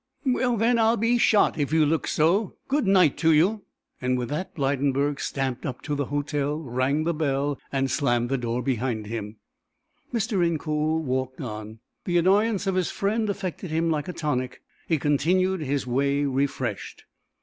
"Well then I'll be shot if you look so. Good night to you," and with that Blydenburg stamped up to the hotel, rang the bell, and slammed the door behind him. Mr. Incoul walked on. The annoyance of his friend affected him like a tonic; he continued his way refreshed.